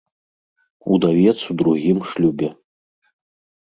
Удавец у другім шлюбе.